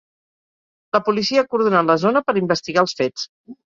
La policia ha acordonat la zona per investigar els fets.